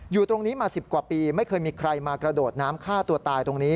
อยู่ตรงนี้มา๑๐กว่าปีไม่เคยมีใครมากระโดดน้ำฆ่าตัวตายตรงนี้